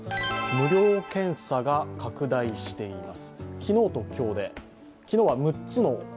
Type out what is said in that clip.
無料検査が拡大しています。